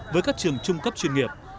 với các trường trung cấp chuyên nghiệp